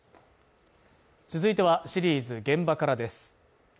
続いては、シリーズ「現場から」です。